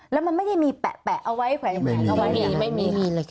แล้วมันไม่ได้มีแปะเอาไว้ไหนเอาไว้ไง